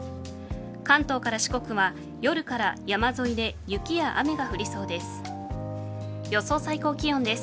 関東から四国は、夜から山沿いで雪や雨が降りそうです。